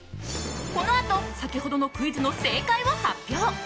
このあと先ほどのクイズの正解を発表。